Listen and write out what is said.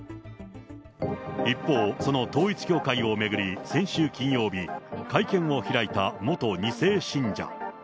一方、その統一教会を巡り、先週金曜日、会見を開いた元２世信者。